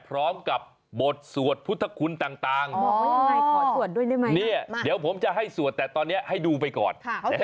พร้อมกับบทสวดพุทธคุณต่างเดี๋ยวผมจะให้สวดแต่ตอนนี้ให้ดูไปก่อน